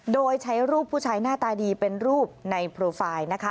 โดยใช้รูปผู้ชายหน้าตาดีเป็นรูปในโปรไฟล์นะคะ